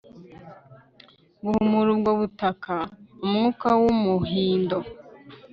guhumura ubwo butaka, umwuka wumuhindo